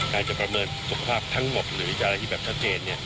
การประเมินทุกภาพทั้งหมดหรือจริงจริงแบบชัดเจน